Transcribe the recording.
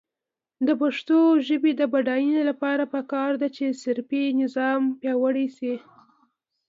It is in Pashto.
د پښتو ژبې د بډاینې لپاره پکار ده چې صرفي نظام پیاوړی شي.